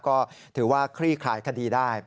ก็ถือว่าคลี่คลายคดีได้